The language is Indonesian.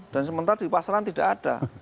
dan sementara di pasaran tidak ada